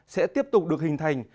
sẽ tiếp tục được hình thành